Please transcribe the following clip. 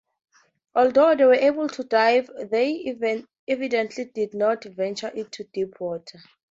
Although they were able to dive, they evidently did not venture into deeper waters.